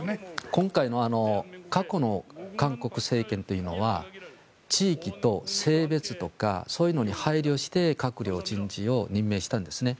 今回の過去の韓国政権というのは地域と性別とかそういうのに配慮して閣僚人事を任命したんですね。